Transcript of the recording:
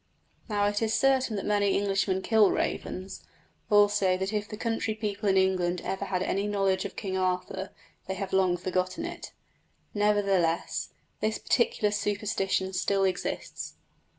Now, it is certain that many Englishmen kill ravens, also that if the country people in England ever had any knowledge of King Arthur they have long forgotten it. Nevertheless this particular superstition still exists.